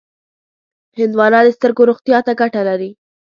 هندوانه د سترګو روغتیا ته ګټه لري.